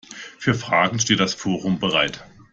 Für Fragen steht das Forum bereit.